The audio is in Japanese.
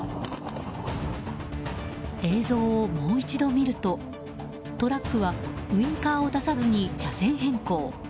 映像をもう一度見るとトラックはウィンカーを出さずに車線変更。